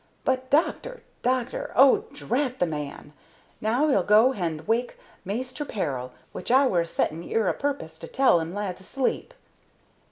But, doctor! doctor! Oh, drat the man! now 'e'll go hand wake Maister Peril, which I were a settin' 'ere a pu'pos' to tell 'im lad's asleep."